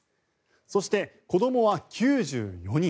そして、子どもは９４人。